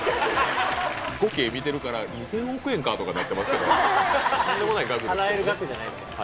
５京見てるから２０００億円かとかなってますけどとんでもない額ですけどね。